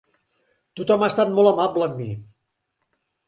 Tothom ha estat molt amable amb mi.